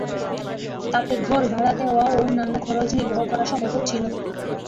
তাতে ঘর ভাড়া দেওয়া বা অন্যান্য খরচ নির্বাহ করা সম্ভব হচ্ছিল না।